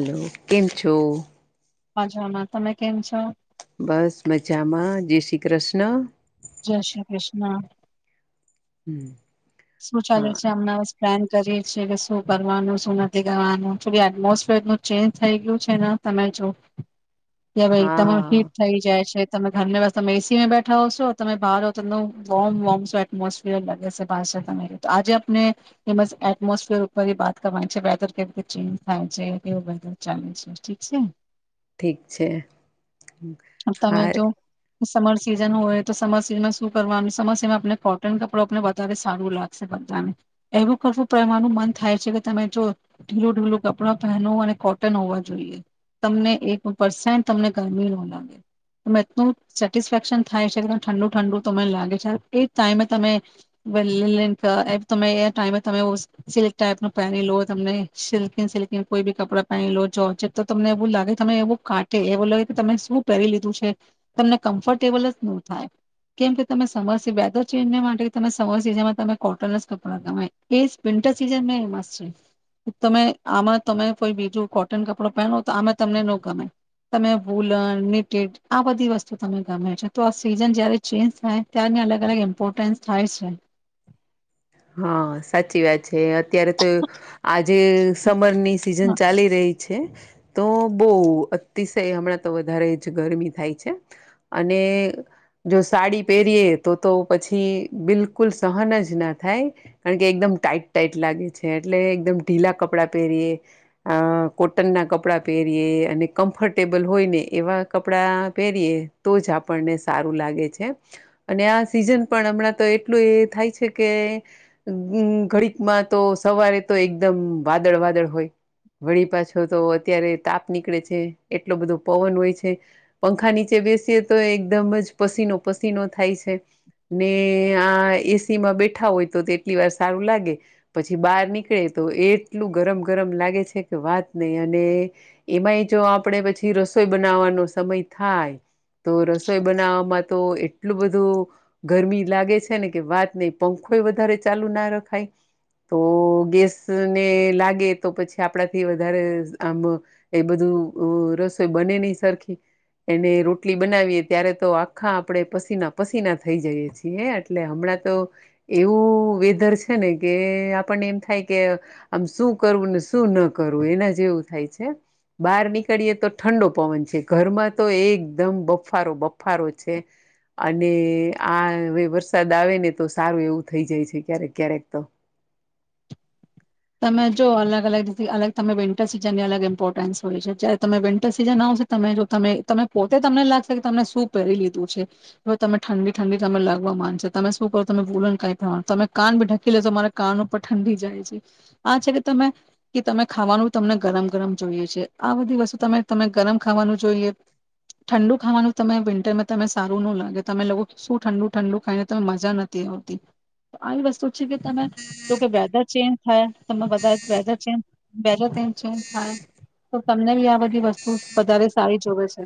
Hello, કેમ છો? મજામાં, તમે કેમ છો? બસ મજામાં જય શ્રી કૃષ્ણ. જય શ્રી કૃષ્ણ. હમ્મ. શું ચાલુ છે આમણા? પ્લાન કરીએ છીએ કે શું કરવાનું શું નથી કરવાનું થોડી એટમોસફેર ન ચેન્જ થઈ ગયું છે ને તમે જો. કે ભાઈદમ હિટ હા થઈ જાય છે. તમે ઘર બસ તમે એ સીમાં બેઠા હોશો તમે બહાર હો તમ વોર્મ વોર્મ શો એટમોસફિયર લાગે છે. [unintelligible] તો આજે આપને એ એટમોસફિર ઉપર વાત કરવાની છે વેધર કેવી રીતે ચેન્જ થાય છે કેવું વેધર ચાલે છે ઠીક છે. ઠીક છે તમે હા. જો સમર સીઝન હોય તો સમર સિઝનમાં શું કરવાનું સમર સિઝનમાં આપ કોટન કપડો આપ બધાને સારું લાગસે બધાને એવું કરવું તો એ મારું મન થાય છે કે તમે જો ઢીલું ઢીલું કપડા પહેલો અને કોટન હોવા જોઈએ તમને એક પસન્ટ તમને ગરમી નો લાગે ત એટલ સેટિસફેક્શન થાય છે કે ઠંડુ ઠંડુ તને લાગે છે એ ટાઈમે તમે [unintelligible] એ ટાઈમે તમે સિલ્ક ટાઈપ ન પહેરી લો તમને સિલ્કીન સિલ્કીન કોઈ બી કપડાં પહેરી લો જો તો તમને એવું લાગે તમે એવું કાઢટે એવું લાગે કે તમે શું પહેરી લીધું છે તમને કમ્ફર્ટેબલ જ ન થાય કેમ કે તમે સમર વેધર ચેન્જને માટે તમેં સમર સિઝનમાં તમે કોટન જ કપડાં ગમાય એ વિન્ટર સીઝન ફમસ છે તમે આમાં તમે કોઈ બીજું કોટન કપડો પહેરો તો આમાં તમને ન ગમેય તમે વુલન નિટેટ આ બધી વસ્તુ તમે ગમે છે તો આ સીઝન જયારે ચેન્જ થાય ત્યારને અલગ અલગ ઇમ્પોર્ટન્સ થાય છે. હા સાચી વાત છે અત્યારે તો આજે સમરની સિઝન ચાલી રહી છે. તો બહુ અતિશય હમણાં તો વધારે જ ગરમી થાય છે અને જો સાડી પહેરીયએ તો તો પછી બિલકુલ સહન જ ના થાય કારણ કે એકદમ ટાઈટ ટાઈટ લાગે છે એટલે એકદમ ઢીલા કપડાં પહેરીએ અ કોટનના કપડાં પહેરીએ અને કમ્ફર્ટેબલ હોય ને એવા કપડાં પહેરીએ તો જ આપણને સારું લાગે છે. અને આ સિઝન પણ હમણાં તો એટલું થાય છે. કે ઘડીકમાં તો સવારે તો એકદમ વાદળ વાદળ હોય વળી પાછો તો અત્યારે તાપ નીકળે છે એટલો બધો પવન હોય છે પંખા નીચે બેસીએ તો એકદમ જ પસીનો પસીનો થાય છે ને આ એસી માં બેઠ ઠા હોય તો તે એટલી વાર સારું લાગે પછી બહાર નીકળે તો એ એટલું ગરમ ગરમ લાગે છે કે વાત નહી અને એમાંય જો આપણે પછી રસોઈ બનાવવાનો સમય થાય તો રસોઈ બનાવવામાં તો એટલું બધું ગરમી લાગે છે ને કે વાત નહી. પંખોય વધારે ચાલુ ના રખાય તો ગેસ ને લાગે તો પછી આપડાથી વધારે આમ એ બધું રસોઈ બને નહ સરખી એને રોટલી બનાવીએ ત્યારે તો આખા આપણે પસીના પસીના થઈ જઈએ છીએ હે એટલે હમણાં તો એવું વેધર છે ને કે આપણને એમ થાય કે આમ શું કરવું ને શું ન કરવું એના જેવું થાય છે બહાર નીકળીએે તો ઠંડો પવન છે ઘરમાં તો એકદમ બફારો બફારો છે અને આ વર વરસાદ આવે ને તો સારું એવું થઈ જાય છે ક્યારેક ક્યારેક તો. તમે જો અલગ અલગ અલગ તમે વિન્ટર સિઝનની અલગ ઇમ્પોર્ટન્સ હોય છે જયારે તમે વિન્ટર સિઝન આવશે તમે જો ત તમે પોતે તમને લાગશે કે તમ શું પહેરી લીધું છે કેવે તમે ઠંડી ઠંડી તમે લાગવા નશે તમે શું કરો તમે ભૂલન કઈ પ્રનું તમે કાન ભી ઢકી લેશો મારે કાન ઉપર ઠંડી જાય છે. આ છે કે તમે કે તમે ખાવાનું તમને ગરમ ગરમ જોઈએ છે આ બધી વસ્તુમે ગરમ ખાવાનું જોઈએ ઠંડુ ખાવાનું તમે વિન્ટરમાં તમે સારું ન લાગે તમે લોકો શું ઠંડુ ઠંડુ ખાઈને તમે મજા નથી આવતી આવી વસ્તુ છે કે તમે જોકે વેધર ચેજ થાય તમે બધાએ વેદર ચેજ થાય તો તમને બી આ બધી વસ્તુ વધારે સારી જોવે છે.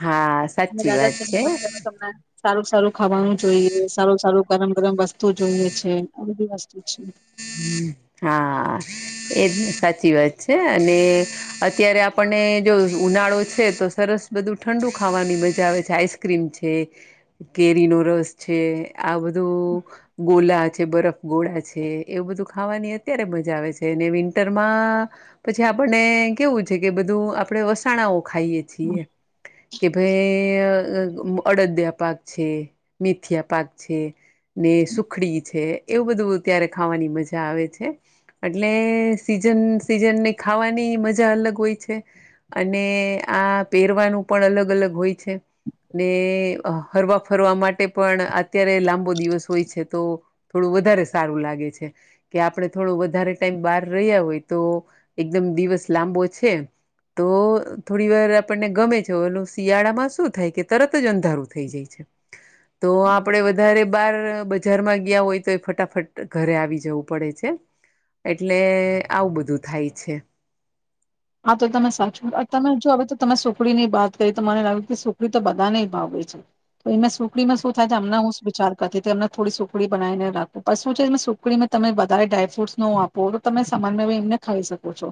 હા અને સાચી વેધર વાત છે ચેન્જના બદલામાં તમને સારું સારું ખાવાનું જોઈએ સારું સારું ગરમ ગરમ વસ્તુ જોઈએ છે આ બધી વસ્તુ છે. હા એજ સાચી વાત છે અને અત્યારે આપણને જો ઉનાળો છે તો સરસ બધું ઠંડુ ખાવાની મજા આવે છે આઈસ્ક્રીમ છે કેરીનો રસ છે. આ બધું ગોલા બરફ ગોળા છે એવું બધું ખાવાની અત્યારે મજા આવે છે અને વિન્ટરમાં પછી આપણને કેવું છે કે બધું આપડે વસાણાઓ ખાઈ છી કે ભાઈ અડદે આપ પાક છે મિથિયા પાક છે. ને સુખડી છે. એવું બધું ત્યારે ખાવાની મજા એટલે સીઝન સિઝનને ખાવાની મજા અલગ હોય છે અને આ પહેરવાનું પણ અલગ અલગ હોય છે ને હરવા ફરવા માટે પણ અત્યારે લાંબો દિવસ હોય છે તો થોડું વધારે સારું લાગે છે કે આપણે થોડો વધારે ટાઈમ બહાર રહ્યા હોય તો એકદમ દિવસ લાંબો છે તો થોડી વાર આપણને ગમે છે એ શિયાળામાં શું થાય કે તરત જ અંધારું થઈ જાય છે. તો આપડે વધારે બાર રમાં ગયા હોય તો એ ફટાફટ ઘરે આવી જવું. પડે છે એટલે આવું બધું થાય છે. હા તો તમે સાચું તમે જો હવે તો તમે સુખડી ની વાત કરી તો મને લાગે કે સુખડી તો બધાને ભાવે છે તો એ સુખડીમાં શું થાય છે અમને હું વિચાર કરતી અમને થોડી સુખડી બનાવીને રાખું શું છે સુખડીમાં તમે બધારે ડ્રાયફ્રૂટસ ન આપો તો તમે સમાનમાં એમને ખાઈ શકો છો.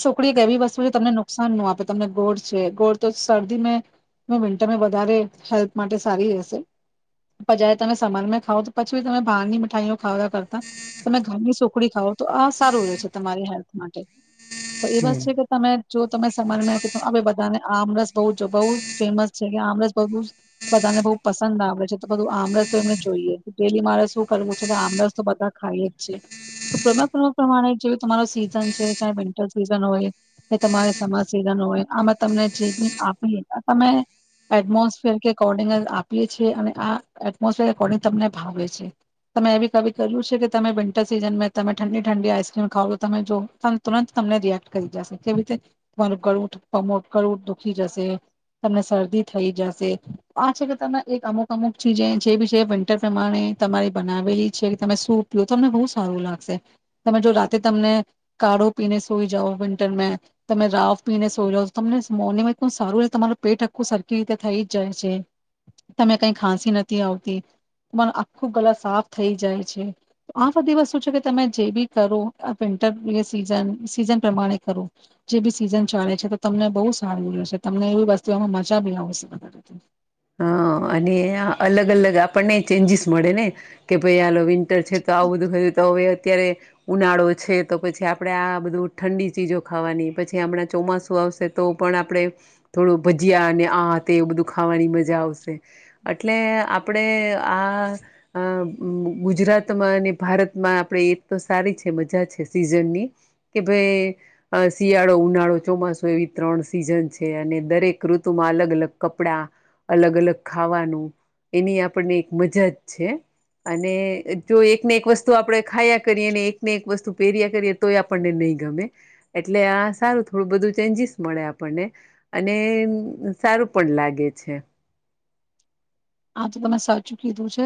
સુખડી એક એવી વસ્તુ છે તમને નુકસાન ન આપે તમને ગોળ છે ગોળ તો શરદી મે વિન્ટર મે વધારે હેલ્થ માટે સારી રહેશે પ જ્યારે તમે સમર મે ખાવ તો પછી તમે બહારની મીઠાઈઓ ખાવવા કરતા તમે ઘરની સુખડી ખાવ તો આ સારું રહેશે તમારી હેલ્થ માટે. તો એ વાત હમ છે કે તમે જો તમે સમરમાં કે હવે બધાને આમરસ બહુ બહુ ફેમસ છે કે આમરસ બુ બધાને બુ પસંદ આવેે છે તો બધું આમરસ તો એમને જોઈએ ડેલી મારે શું કરવું છે કે આમરસ તો બધા ખાઈ જ છે પ્ર પ્રમાણે જે તમારો સીઝન છે. વિન્ટર સિઝન હોય કે તમારે સમર સિઝન હોય આમાં તમને જે બી આપી તમે એટમોસફેર કે અકોર્ડિંગ આપીએ છીએ અને આ એટમોસફેર અકોર્ડિંગ તમને ભાવે છે તમે એવી કવ કર્યું છે કે તમે વિન્ટર સિઝન મે તમે ઠંડી ઠંડી આઈસક્રીમ ખાવ લો તમે જો ત મ રિએક્ટ કરી જ કેવી રીતે તમારું ગ ગુંઠ દુખી જશે તમને શરદી થઈ જશે આ છે કે તમે એક અમુક અમુક ચીજ જે બી છે વિન્ટર પ્રમાણે તમારી બનાવેલી છે તમે શું પીઓ તો તમને બહુ સારું લાગશે તમે જો રાતે તમને કાળો પીને સઈ જાાવ વિન્ટર મે તમે રાવ પીને સઈ જાાવ તમને મોર્નિંગ એક સારું ર તમારું પેટ આખું સરખી રીતે થઈ જ જાય છે તમે કઈ ખાંસી નથી આવતી તમાર આખું ગલા સાફ થઈ જાય છે આ બધી વસ્તુ છે કે તમે જે બી કરો વિન્ટર સીઝન સીઝન પ્રમાણે કરું જે બી સીઝન ચાલે છે તો તમને બહુ સારું મળશે તમને એવી વસ્તુ એમાં મજા બી આવશે. હ અને અલગ અલગ આપણને ચેન્જીસ મળે ને કે ભાઈ આાલ વિન્ટર છે તો આવું બધું તો હવે અત્યારે ઉનાળો છે તો પછી આપડે આ બધું ઠંડી ચીજો ખાવાની પછી આપમણાં ચોમાસું આવશે તો પણ આપડણે થોડું ભજીયા અને આ તે એ બધું ખાવાની મા જા આવશે એટલે આપણે આ ગુજરાતમાં અને ભારતમાં આપણે એ તો સારી છે મજા છે સીઝનની કે ભાઈ શિયાળો ઉનાળો ચોમાસો એવી ત્રણ સિઝન છે અને દરેક ઋતુમાં અલગ અલગ કપડા અલગ અલગ ખાવાનું એની આપણને એક મજા જ છે અને જો એકને એક વસ્તુ આપણે ખાયા કરીએ અને એક ને એક વસ્તુ પહેર્યા કરીએ તોય આપણને નહીં ગમે એટલે આ સારું થોડું બધું ચેન્જીસ મળે આપણને અને સારું પણ લાગે છે. આ તો તમે સાચું કીધું છે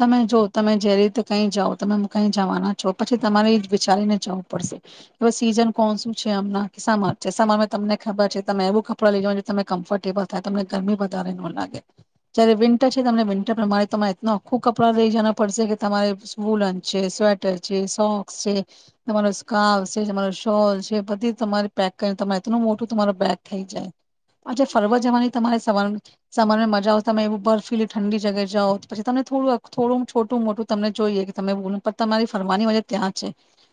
તમે જો તમે જે રીતે કઈ જાઓ તમે કઈ જવાના છો પછી તમારે વિચારીને જવું પડશે કે ભ સીઝન કોણ શું છે અમ કે સમર સમર તમને ખબર છે તમે એવું કપડં લઈ જવાનું તમે કમ્ફર્ટેબલ થાય તમને ગરમી વધારે ન લાગે જ્યારે વિ ત વિન્ટર પ્રમારે તમા એટું આખું કપડા લઈ જવા પડશે કે તમારે વુલન છે સ્વેટર છે સોક્ છે તમારો સ્કાર્ફ છે તમારો શોલ છે બધી તમારે પેક કરીને તમારે એટલ મોટું તમારો બેગ થઈ જાય આજે ફરવા જવાની તમારે સવાર સવાર મજા આવ એવું બ લી ઠંડી જગએ જાાવ પછી તમને થોડું થોડું છોટું મોટું તમને જોઈએ કે તમે તમારી ફરવાની વે ત્યાં છે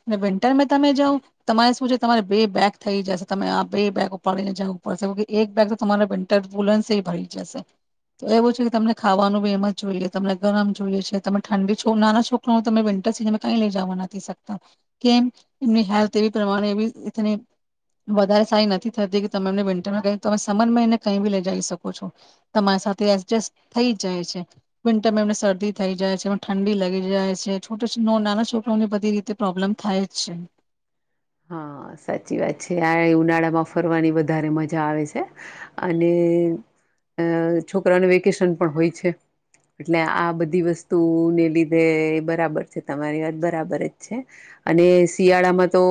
અને વિન્ટર મે તમે જાઓ તમારે શું છે તમારે બે બેગ થઈ જશે તમે આ બે બેગ ઉપાડીને જવું પડશે એક બેગ તો તમારા વિન્ટર વુલન્સ ભરી જશે તો એવું છે કે તમને ખાવાનું બી એમ જ જોઈએ તમને ગરમ જોઈએ છે તમે ઠંડી છ નાના છોકરા તમે વિન્ટર સીઝનમાં કઈ લઈ જવા નથી શકતા, કેમ એમની હેલ્થ એવી પ્રમાણે એવી વધારે સારી નથી થતી કે તમે એમને વિન્ટરમાં ક તમે સમનમાં એને કઈ બી લઈ જઈ શકો છો, તમારી સાથે એ થઈ જાય છે, વિન્ટરમાં એમને શરદી થઈ જાય છે એમ ઠંડી લાગી જાય છે છોટો નાના છોકરોઓને બધી રીતે પ્રોબ્લેમ થાય જ છે. હા સાચી વાત છે આ ઉનાળામાં ફરવાની વધારે મજા આવે છે, અને છોકરાઓને વેકેશન પણ હોય છે, એટલે આ બધી વસ્તુને લીધે બરાબર છે તમારી વાત બરાબર જ છે, અને શિયાળામાં તો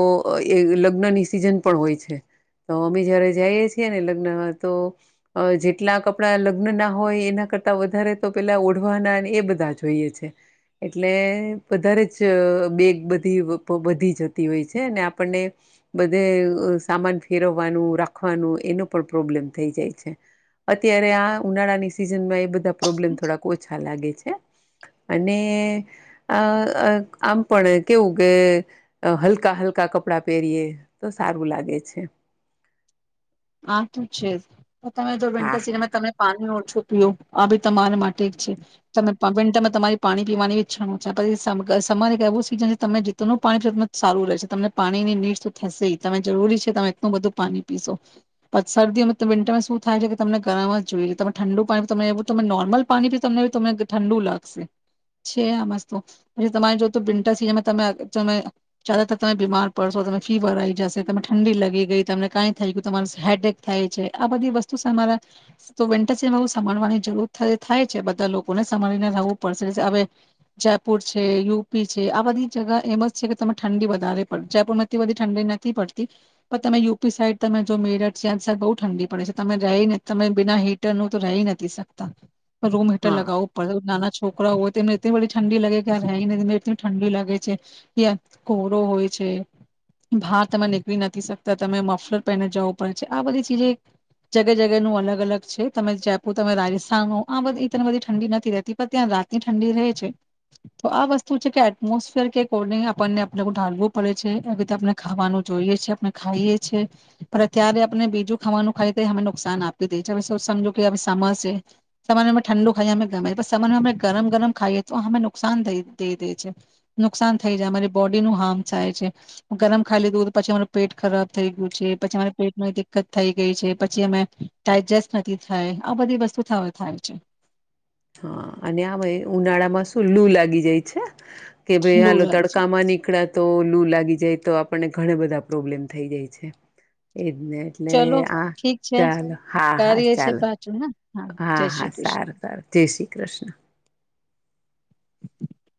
એ લગ્નની સિઝન પણ હોય છે. તો અમે જયારે જઈએ છીએ ને લગ્નમાં તો, જેટલા કપડાં લગ્ન ના હોય એના કરતા વધારે તો પેલા ઓઢવાના એ બધા જોઈએ છે, એટલે વધારે જ બેગ બધી બધી જતી હોય છે ને આપણને, બધે સામાન ફેરવવાનું રાખવાનું એનો પણ પ્રોબ્લેમ થઈ જાય છે, અત્યારે આ ઉનાળાની સિઝનમાં એ બધા પ્રોબ્લેમ થોડાક ઓછા લાગે છે, અને, આ આમ પણ કેવું કે હલકા હલકા કપ કપડા પહેરીએ તો સારું લાગે છે. હા તો છે જ. તો તમે જો વિન્ટર હા સીઝનમાં તમે પાણી ઓ છોપઓ આ તમારા માટે જ છે, તમે તો પણ તમારી પાણી પીવાની ઈચ્છણ છે પછી સમર એવું સીઝન છે તમે જેટલું પાણી પી એટલું જ સારું રહેશે તમને પાણીની નીડ શ થશે તમે જરૂરી છે તમે એટલું બધું પાણી પીશો પછી શરદી વિન્ટરમાં શું થાય છે કે તમને ગરમ જ જોઈએ તમે ઠંડુ પાણી તમે એવું તમે નોર્મલ પાણી તમને તમ ઠંડુ લાગશે છે આ મસ્ત પછી તમારે જો તો વિન્ટર સીઝનમાં તમે તમે જદાતર તમે બીમાર પડશો તમે ફીવર આવી જશે તમે ઠંડી લગી ગઈ તમને કઈ થઈ ગયું તમા હેડેક થાય છે આ બધી વસ્તુ અમારા તો વિન્ટર સ સરવાની જરૂર થાય છે બધા લોકોને સરીને રહેવું પડશે હવે જયપુર છે યુપી છે આ બધી જગા એમ જ છે કે ત ઠંડી વધારે પડ જયપુર માંથી બધી ઠંડી નથી પડતી પણ તમે યુપી સાઈડ તમે જો મે તનસાર બહુ ઠંડી પડે છે તમે રહી તમે બીના હીટરનું તો રહી નથી શકતા રૂમ હીટર હા લગાવવું પડે નાના છોકરા હોય તેમને એટલી બધી ઠંડી લાગે કે આ રહીનેને એટલી ઠંડી લાગે છે કે કોરો હોય છે બહાર તમે નીકળી નથી શકતા તમે મફલર પહેને જઓ આ બધી ચીજ જગે જગેનું અલગ અલગ છે તમે જપુ તમે રાજસ્થાન ન આ બધી તને બધી ઠંડી નથી રેતી પણ ત્યાં રાતની ઠંડી રહે છે તો આ વસ્તુ છે કે એટમોસફિયર કે અકોર્ડિંગ આપણને આપ ઢાલવું પડે છે એ રીતે આપણે ખાવાનું જોઈએ છે આપણે ખાઈએ છે. ત્યારે આપને બીજું ખાવાનું ખાઈએ તો અમે નુકસાન આપી દે છે હવે સમજો કે સમર છે સમરમા અમે ઠંડુ ખાઈએ અમે ગમેએ સમરમાં અમે ગરમ ગરમ ખાઈએ તો અમે નુકસાન થઈ દઈ દે છે નુકસાન થઈ જાય અમારી બોડીનું હાર્મ થાય છે ગરમ ખાઈ લીધું પછી અમારુ પેટ ખરાબ થઈ ગયું છે પછી પેટમાં દિકકત થઈ ગઈ છે પછી અમે ડાયડજસ્ટ નથી થાય આ બધી વસ્તુ થાય છે. હા અને આ ઉનાળામાં શું લુ લાગી જાય છે. કે ભાઈ એવું હાલો લાગે છે તડકામાં નીકળ્યા તો લું લાગી જાય તો આપને ઘણા બધા પ્રોબ્લેમ થઈ જાય છે એ એટલે ચલો હા ઠીક છે ચાલો હા હા કાર્ય છે ચાલો પાછું હા જય હા હા શ્રી કૃષ્ણ સારું સારું જય શ્રી કૃષ્ણ [inaudible]